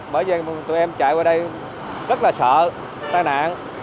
bởi vì tụi em chạy qua đây rất là sợ tai nạn